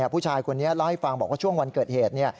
ผู้ชายคนนี้เล่าให้ฟังบอกว่าช่วงวันเกิดเหตุ